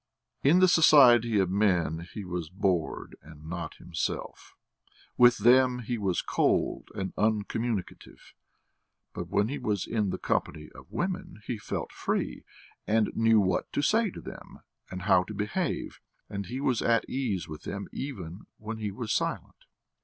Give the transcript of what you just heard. In the society of men he was bored and not himself, with them he was cold and uncommunicative; but when he was in the company of women he felt free, and knew what to say to them and how to behave; and he was at ease with them even when he was silent.